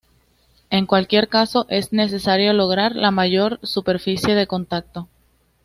En cualquier caso es necesario lograr la mayor superficie de contacto.